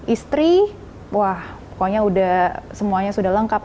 istri wah pokoknya semuanya sudah lengkap